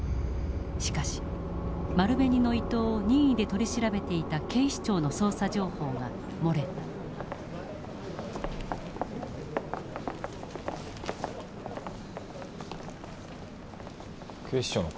しかし丸紅の伊藤を任意で取り調べていた警視庁の捜査情報が漏れた。